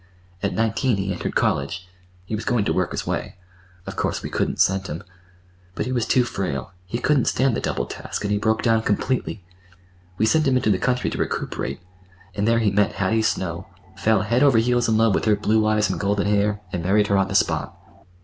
"At nineteen he entered college. He was going to work his way. Of course, we couldn't send him. But he was too frail. He couldn't stand the double task, and he broke down completely. We sent him into the country to recuperate, and there he met Hattie Snow, fell head over heels in love with her blue eyes and golden hair, and married her on the spot.